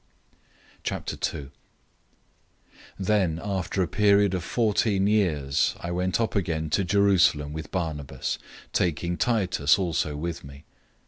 002:001 Then after a period of fourteen years I went up again to Jerusalem with Barnabas, taking Titus also with me.